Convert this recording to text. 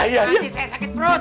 nanti saya sakit perut